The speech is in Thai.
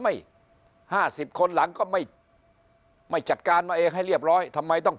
ไม่ห้าสิบคนหลังก็ไม่ไม่จัดการมาเองให้เรียบร้อยทำไมต้อง